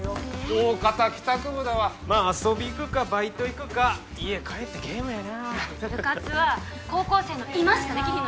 おおかた帰宅部だわまあ遊び行くかバイト行くか家帰ってゲームやな部活は高校生の今しかできひんのですよ